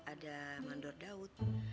ada mandor daud